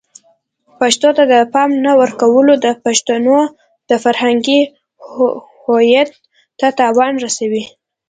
پښتو ته د پام نه ورکول د پښتنو د فرهنګی هویت ته تاوان رسوي.